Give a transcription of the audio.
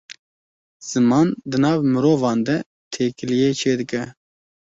Ziman, di nav mirovan de têkiliyê çê dike